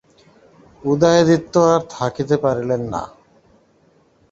উদয়াদিত্য আর থাকিতে পারিলেন না।